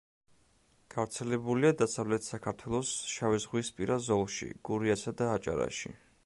გავრცელებულია დასავლეთ საქართველოს შავიზღვისპირა ზოლში, გურიასა და აჭარაში.